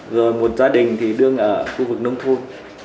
rồi một gia đình thì đương ở khu vực nông thôn